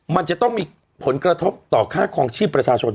มันจะต้องมีผลกระทบต่อค่าคลองชีพประชาชน